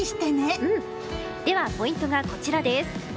では、ポイントはこちらです。